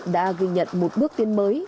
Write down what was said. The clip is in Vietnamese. đã ghi nhận một bước tiến mới